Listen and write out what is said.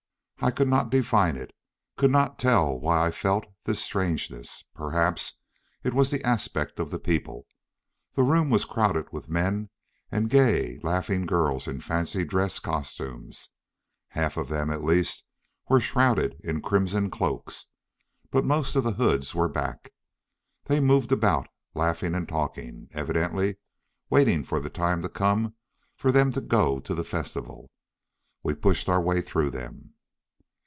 I could not define it, could not tell why I felt this strangeness. Perhaps it was the aspect of the people. The room was crowded with men and gay laughing girls in fancy dress costumes. Half of them at least were shrouded in crimson cloaks, but most of the hoods were back. They moved about, laughing and talking, evidently waiting for the time to come for them to go to the festival. We pushed our way through them.